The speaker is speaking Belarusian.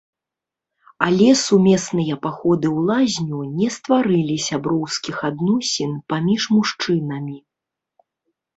Але сумесныя паходы ў лазню не стварылі сяброўскіх адносін паміж мужчынамі.